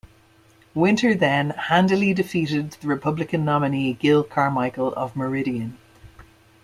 Winter then handily defeated the Republican nominee Gil Carmichael of Meridian.